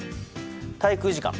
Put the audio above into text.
滞空時間。